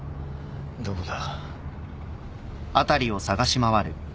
どこだ？